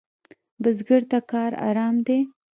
بزګر ته کار آرام دی